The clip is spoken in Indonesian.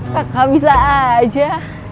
kakak bisa aja